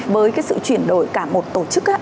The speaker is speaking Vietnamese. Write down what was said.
với cái sự chuyển đổi cả một tổ chức